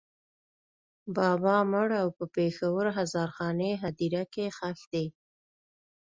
بابا مړ او په پېښور هزارخانۍ هدېره کې ښخ دی.